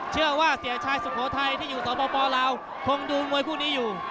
เชื่อว่าเสียชายสุโขทัยที่อยู่สปลาวคงดูมวยคู่นี้อยู่